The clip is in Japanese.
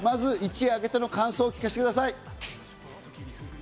一夜明けての感想を聞かせてください。